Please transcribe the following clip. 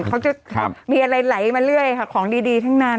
เขาจะมีอะไรไหลมาเรื่อยค่ะของดีทั้งนั้น